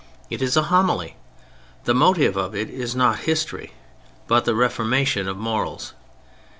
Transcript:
It is a homily. The motive of it is not history, but the reformation of morals.